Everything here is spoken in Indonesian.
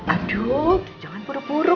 aduh jangan buruk buruk